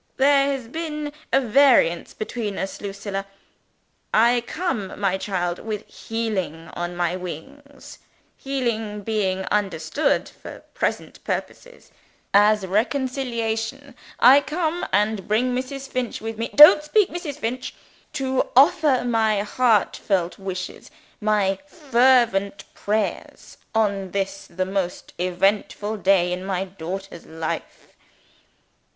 There has been variance between us, Lucilla. I come, my child, with healing on my wings (healing being understood, for present purposes, as reconciliation) I come, and bring Mrs. Finch with me don't speak, Mrs. Finch! to offer my heartfelt wishes, my fervent prayers, on this the most eventful day in my daughter's life.